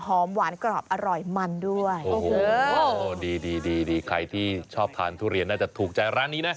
หอมหวานกรอบอร่อยมันด้วยโอ้โหดีดีใครที่ชอบทานทุเรียนน่าจะถูกใจร้านนี้นะ